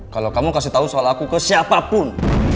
kalau kamu kasih tahu soal aku ke siapapun